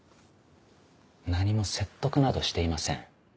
何も説得などしていません。